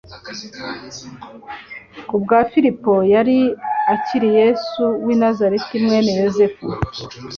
kubwa Filipo "yari akiri Yesu w'i Nazareti, mwene Yosefu .